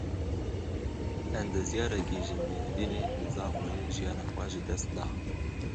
Endezyarekî ji Mêrdînê li Zaxoyê jiyana xwe ji dest da.